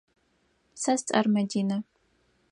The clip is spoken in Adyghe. Сэ сцӏэр Мадинэ.